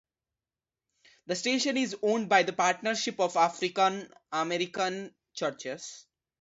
The station is owned by the Partnership of African American Churches.